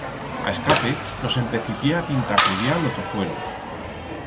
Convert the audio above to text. A escape nos empecipié a pintacodiar lo tozuelo.